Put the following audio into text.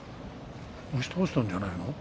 押し倒したんじゃないの？